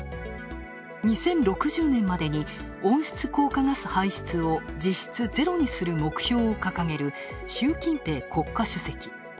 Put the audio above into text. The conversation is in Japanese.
２０６０年までに温室効果ガス排出を実質ゼロにする目標を掲げる習近平国家主席。